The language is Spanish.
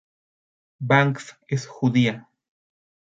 Banks es judía.